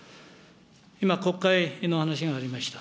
今、国会の話がありました。